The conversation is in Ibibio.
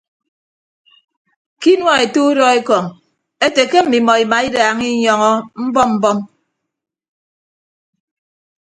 Ke inua ete udọ ekọñ ete ke mmimọ imaidaaña inyọñọ mbọm mbọm.